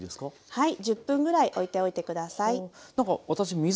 はい。